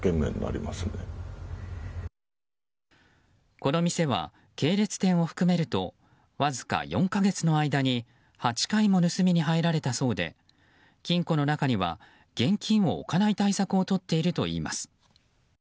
この店は、系列店を含めるとわずか４か月の間に８回も盗みに入られたそうで金庫の中には現金を置かない対策をとっているといいます。